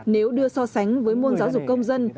nếu đưa so sánh với môn giáo dục công dân